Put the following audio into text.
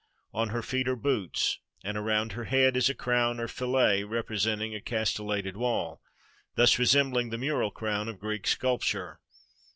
On her feet are boots, and around her head is a crown or fillet representing a castellated wall, and thus resembling the mural crown of Greek sculpture.